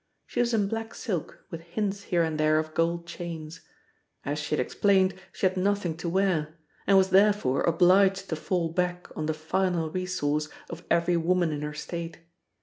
She was in black silk, with hints here and there of gold chains. As she had explained, she had nothing to wear, and was therefore obliged to fall back on the final resource of every woman in her state.